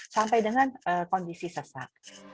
sampai dengan kondisi sesak